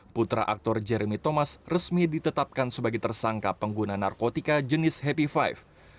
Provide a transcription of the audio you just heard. putra aktor jeremy thomas resmi ditetapkan sebagai tersangka pengguna narkotika jenis happy five